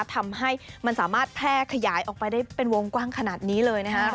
ทำให้มันสามารถแพร่ขยายออกไปได้เป็นวงกว้างขนาดนี้เลยนะครับ